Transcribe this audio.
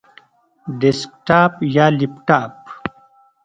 ډیسکټاپ یا لپټاپ؟